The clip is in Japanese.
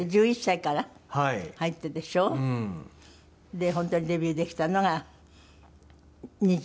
で本当にデビューできたのが２０。